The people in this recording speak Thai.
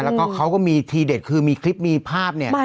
แล้วก็เขาก็มีทีเด็ดคือมีคลิปมีภาพเนี่ย